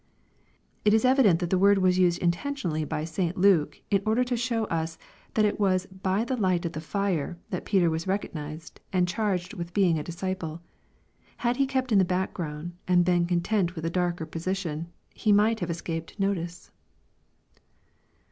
It is evident that the word was used intentionally by St. Luke, in order to show us, that it was " by the light of the fire" that Peter was recognized and charged with being a disciple. Had he kept in the background, and been content with a darker posi tion, he might have escaped notice.